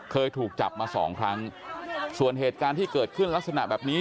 เคยถูกจับมาสองครั้งส่วนเหตุการณ์ที่เกิดขึ้นลักษณะแบบนี้